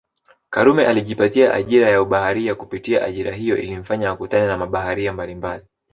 Karume alijipatia ajira ya ubaharia kupitia ajira hiyo ilimfanya akutane na mabaharia mbalimbali